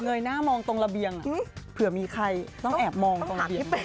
ยหน้ามองตรงระเบียงเผื่อมีใครต้องแอบมองตรงเตียง